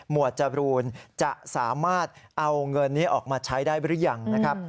วดจรูนจะสามารถเอาเงินนี้ออกมาใช้ได้หรือยังนะครับ